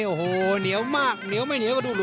นักมวยจอมคำหวังเว่เลยนะครับ